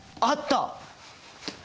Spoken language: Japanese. あった！